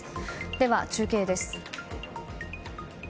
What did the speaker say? では中継です。